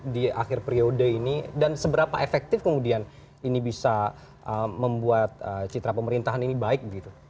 di akhir periode ini dan seberapa efektif kemudian ini bisa membuat citra pemerintahan ini baik begitu